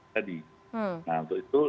tadi nah untuk itu